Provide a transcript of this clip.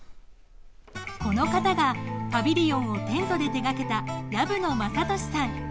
この方がパビリオンをテントで手がけた藪野正年さん。